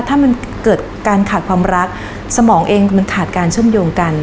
ถ้ามันเกิดการขาดความรักสมองเองมันขาดการเชื่อมโยงกัน